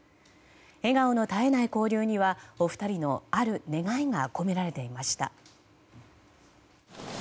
笑顔の絶えない交流にはお二人のある願いが込められていました。